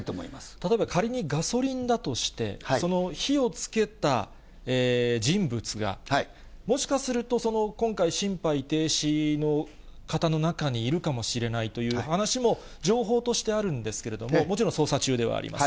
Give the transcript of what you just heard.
例えばかりにガソリンだとして、その火をつけた人物が、もしかすると、今回、心肺停止の方の中にいるかもしれないという話も情報としてあるんですけれども、もちろん捜査中ではあります。